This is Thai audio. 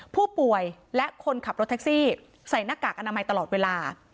ผู้ป่วยและคนขับรถแท็กซี่ใส่หน้ากากอนามัยตลอดเวลา